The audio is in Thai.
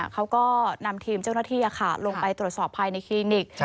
เขาก็นำทีมเจ้าหน้าที่ลงไปตรวจสอบภายในคลินิก